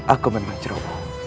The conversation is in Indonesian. aku memang ceroboh